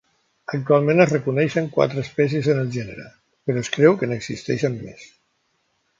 Actualment es reconeixen quatre espècies en el gènere, però es creu que n'existeixen més.